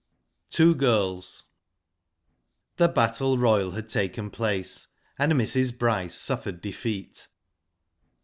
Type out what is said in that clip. TWO GIRLS. The battle royal had taken place, and Mrs. Bryce suffered defeat.